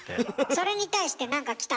それに対して何か来た？